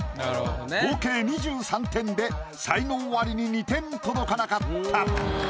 合計２３点で才能アリに２点届かなかった。